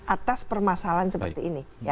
atas permasalahan seperti ini